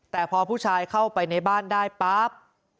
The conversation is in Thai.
แต่พอผู้ชายเข้าไปในบ้านได้ปั๊บ